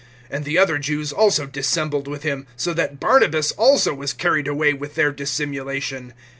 (13)And the other Jews also dissembled with him, so that Barnabas also was carried away with their dissimulation.